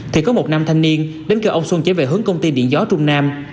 thì có một nam thanh niên đến kêu ông xuân trở về hướng công ty điện gió trung nam